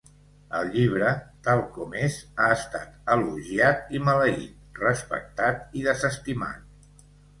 El llibre tal com és ha estat elogiat i maleït, respectat i desestimat.